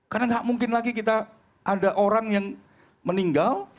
karena tidak mungkin lagi kita ada orang yang meninggal